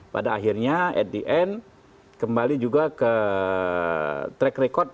pada akhirnya at the end kembali juga ke track record